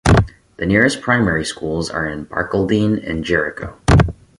The nearest primary schools are in Barcaldine and Jericho.